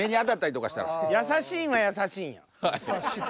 優しいんは優しいんや。